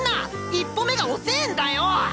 一歩目が遅えんだよ！